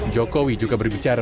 jokowi juga berbicara